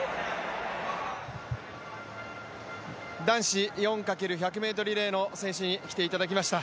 男子４×１００ｍリレーの選手に来ていただきました。